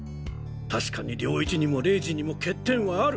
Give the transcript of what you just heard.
確かに涼一にも玲二にも欠点はある。